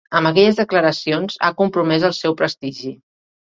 Amb aquelles declaracions, ha compromès el seu prestigi.